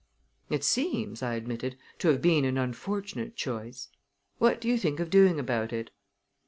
"It seems," I admitted, "to have been an unfortunate choice. What do you think of doing about it?"